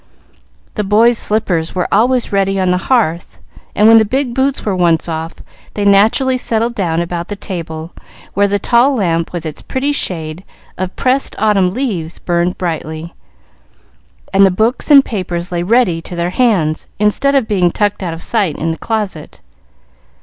The boys' slippers were always ready on the hearth; and when the big boots were once off, they naturally settled down about the table, where the tall lamp, with its pretty shade of pressed autumn leaves, burned brightly, and the books and papers lay ready to their hands instead of being tucked out of sight in the closet.